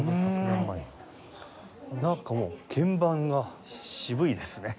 なんかもう鍵盤が渋いですね。